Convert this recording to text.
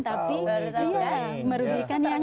tapi merujikan yang lain